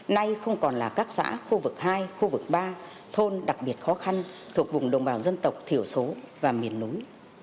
nay không còn là các xã khu vực hai khu vực ba thôn đặc biệt khó khăn thuộc vùng đồng bào dân tộc thiểu số và miền núi